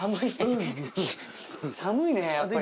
寒いねやっぱり。